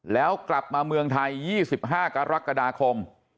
แล้วกลับมาเมืองไทย๒๕กรกฎาคม